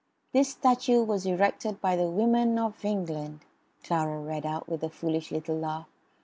"'This statue was erected by the women of England...'" Clara read out with a foolish little laugh.